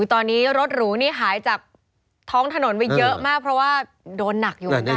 ตอนนี้รถหรูนี่หายจากท้องถนนไปเยอะมากเพราะว่าโดนหนักอยู่เหมือนกัน